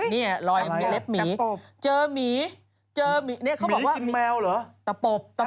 นี่รอยเร็บหมีเจอหมีนะคะบอกว่าหมีปีนแมวหรือ